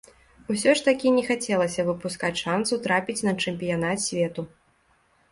Усё ж такі не хацелася выпускаць шанцу трапіць на чэмпіянат свету.